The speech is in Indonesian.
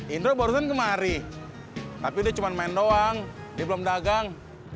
indro barusan kemari tapi dia cuma main doang dia belum dagang